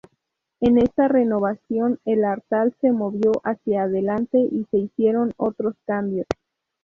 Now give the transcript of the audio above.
En esta renovación el altar se movió hacia adelante y se hicieron otros cambios.